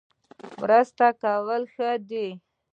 مرسته کول ښه دي